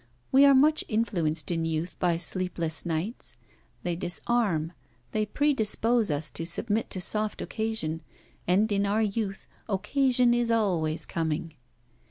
We are much influenced in youth by sleepless nights: they disarm, they predispose us to submit to soft occasion; and in our youth occasion is always coming.